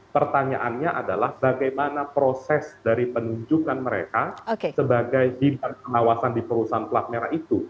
pertanyaannya adalah bagaimana proses dari penunjukan mereka sebagai diperawasan di perusahaan pelak merah itu